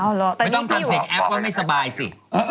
ไม่ต้องทำเสียงแอปว่าไม่สบายสิ